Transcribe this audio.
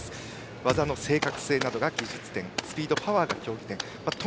技の正確性が技術点スピード、パワーが競技点